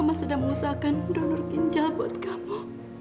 mama sedang mengusahakan donor ginjal buat kamu